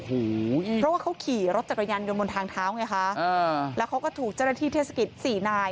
เพราะว่าเขาขี่รถจักรยานยนต์บนทางเท้าไงคะแล้วเขาก็ถูกเจ้าหน้าที่เทศกิจสี่นาย